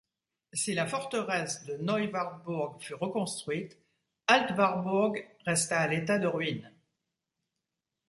Si la forteresse de Neu-Wartburg fut reconstuite, Alt-Warburg resta à l'état de ruine.